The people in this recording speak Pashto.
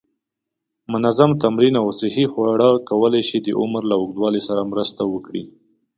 منظم تمرین او صحی خواړه کولی شي د عمر له اوږدوالي سره مرسته وکړي.